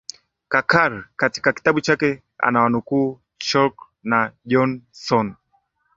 kakar katika kitabu chake anawanukuu chalk na jonassohn